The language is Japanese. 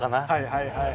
はいはい。